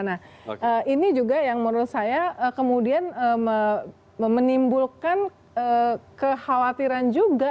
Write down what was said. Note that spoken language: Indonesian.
nah ini juga yang menurut saya kemudian menimbulkan kekhawatiran juga